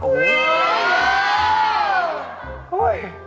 โอ้โห